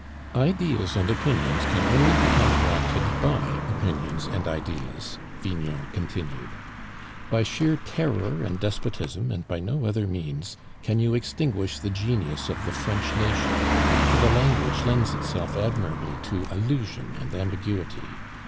"Ideas and opinions can only be counteracted by opinions and ideas," Vignon continued. "By sheer terror and despotism, and by no other means, can you extinguish the genius of the French nation; for the language lends itself admirably to allusion and ambiguity.